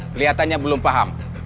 kelihatannya belum paham